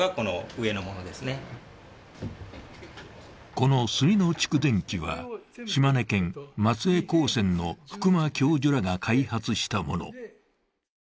この炭の蓄電器は、島根県松江高専の福間教授らが開発したもの。